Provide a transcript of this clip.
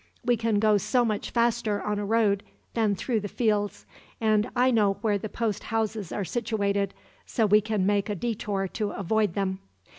We can go so much faster on a road than through the fields; and I know where the post houses are situated, so we can make a detour to avoid them."